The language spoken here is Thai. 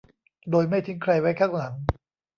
โดยไม่ทิ้งใครไว้ข้างหลัง